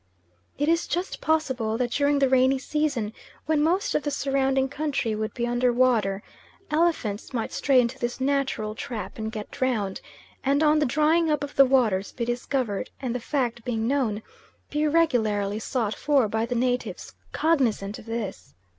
It is just possible that during the rainy season when most of the surrounding country would be under water, elephants might stray into this natural trap and get drowned, and on the drying up of the waters be discovered, and the fact being known, be regularly sought for by the natives cognisant of this.